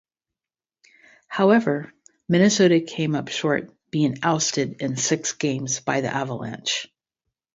However, Minnesota came up short, being ousted in six games by the Avalanche.